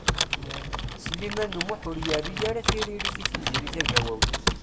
Sliman U Muḥ ur yerri ara tiririt i Tiziri Tagawawt.